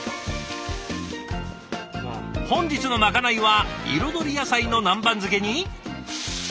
本日のまかないは彩り野菜の南蛮漬けに。